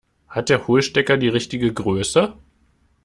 Hat der Hohlstecker die richtige Größe?